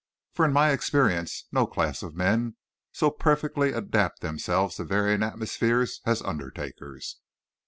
For, in my experience, no class of men so perfectly adapt themselves to varying atmospheres as undertakers.